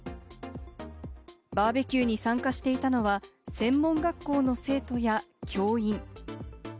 バーベキューに参加していたのは、専門学校の生徒や教員。